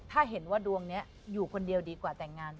ถ้าเห็นว่าดวงนี้อยู่คนเดียวดีกว่าแต่งงาน